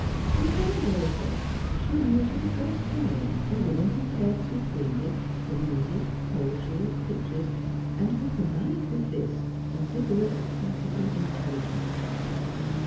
In Helen Borisoff she knew for the first time a woman who cared supremely for music, poetry, pictures, and who combined with this a vigorous practical intelligence.